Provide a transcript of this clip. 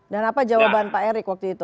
dan apa jawaban pak erik waktu itu